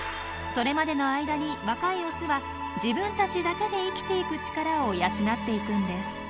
それまでの間に若いオスは自分たちだけで生きてゆく力を養っていくんです。